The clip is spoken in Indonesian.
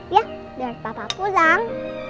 ya dan papa pulang